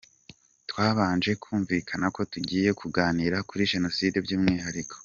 Twabanje kumvikana ko tugiye kuganira kuri Jenoside by’umwihariko.